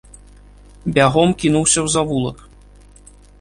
Бягом кінуўся ў завулак.